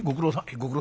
「ご苦労」。